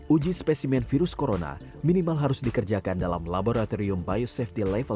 uji spesimen virus corona minimal harus dikerjakan dalam laboratorium biosafety level dua